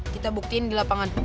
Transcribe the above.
kita buktiin di lapangan